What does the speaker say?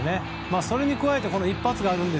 それに加えて一発があるんです。